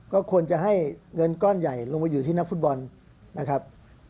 ก็ควรจะให้เงินก้อนใหญ่ลงมาอยู่ที่นักฟุตบอลนะครับ